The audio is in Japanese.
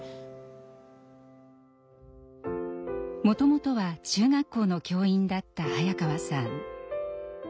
もともとは中学校の教員だった早川さん。